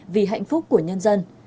vì hạnh phúc của nhân dân